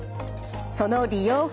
その利用法